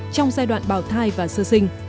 trong giai đoạn bào thai và sơ sinh